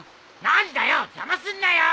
何だよ邪魔すんなよ！